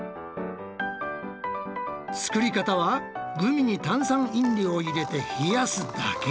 作り方はグミに炭酸飲料を入れて冷やすだけ。